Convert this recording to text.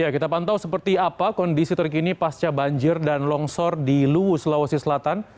kita pantau seperti apa kondisi terkini pasca banjir dan longsor di luwu sulawesi selatan